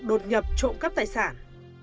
đột nhập trộm cắp tài sản